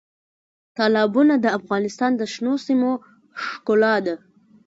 تالابونه د افغانستان د شنو سیمو ښکلا ده.